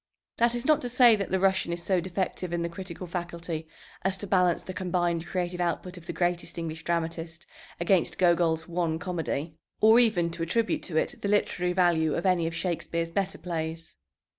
That is not to say that the Russian is so defective in the critical faculty as to balance the combined creative output of the greatest English dramatist against Gogol's one comedy, or even to attribute to it the literary value of any of Shakespeare's better plays.